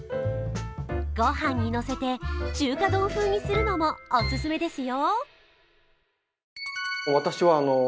御飯にのせて中華丼風にするのもお勧めですよ。